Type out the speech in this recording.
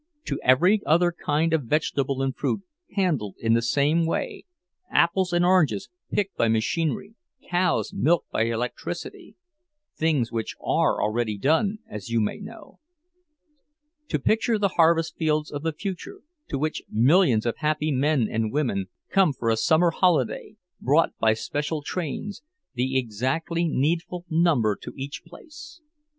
To every other kind of vegetable and fruit handled in the same way—apples and oranges picked by machinery, cows milked by electricity—things which are already done, as you may know. To picture the harvest fields of the future, to which millions of happy men and women come for a summer holiday, brought by special trains, the exactly needful number to each place!